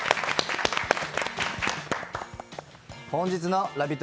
本日のラヴィット！